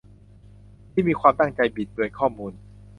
ที่มีความตั้งใจบิดเบือนข้อมูล